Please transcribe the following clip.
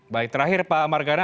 baik terakhir pak margarina